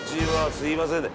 すいませんね。